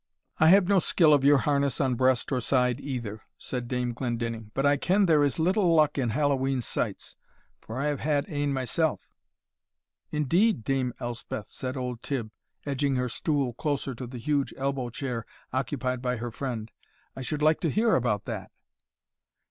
"I have no skill of your harness on breast or side either," said Dame Glendinning; "but I ken there is little luck in Hallowe'en sights, for I have had ane myself." "Indeed, Dame Elspeth?" said old Tibb, edging her stool closer to the huge elbow chair occupied by her friend, "I should like to hear about that."